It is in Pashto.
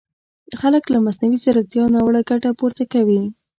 خلک له مصنوعي ځیرکیتا ناوړه ګټه پورته کوي!